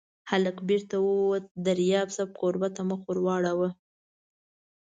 هلک بېرته ووت، دریاب صاحب کوربه ته مخ واړاوه.